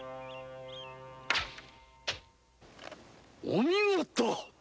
お見事！